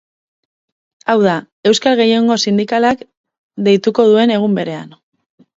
Hau da, euskal gehiengo sindikalak deituko duen egun berean.